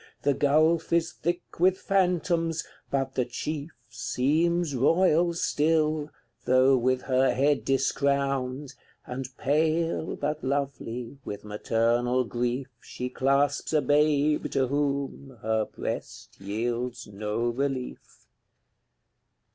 The gulf is thick with phantoms, but the chief Seems royal still, though with her head discrowned, And pale, but lovely, with maternal grief She clasps a babe, to whom her breast yields no relief.